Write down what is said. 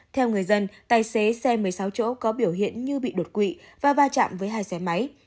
theo người dân tài xế xe một mươi sáu chỗ có biểu hiện như bị đột quỵ và va chạm với hai xe máy